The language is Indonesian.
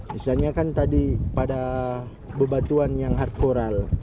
misalnya kan tadi pada bebatuan yang hard coral